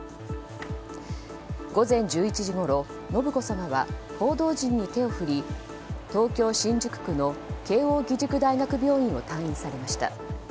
午前１１時ごろ信子さまは、報道陣に手を振り東京・新宿区の慶應義塾大学病院を退院されました。